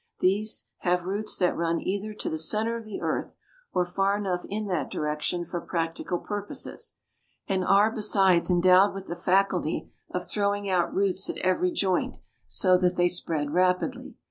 These have roots that run either to the centre of the earth, or far enough in that direction for practical purposes; and are, besides, endowed with the faculty of throwing out roots at every joint, so that they spread rapidly.